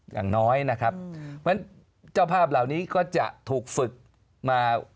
อย่างน้อยนะครับเพราะฉะนั้นเจ้าภาพเหล่านี้ก็จะถูกฝึกมา